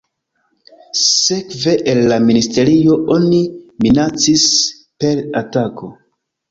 Sekve el la ministerio oni minacis per atako.